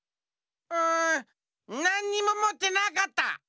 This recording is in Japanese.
うんなんにももってなかった！